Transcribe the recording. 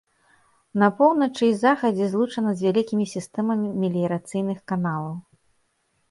На поўначы і захадзе злучана з вялікімі сістэмамі меліярацыйных каналаў.